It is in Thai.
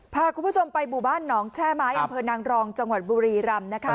พาคุณผู้ชมไปบุบันหนองแช่ไม้อังเภอนางรองจังหวัดบุรีรำ